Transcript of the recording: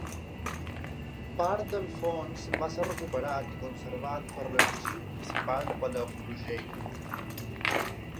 Part del fons va ser recuperat i conservat per l’Arxiu Municipal de Palafrugell.